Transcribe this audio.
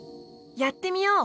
やってみよう！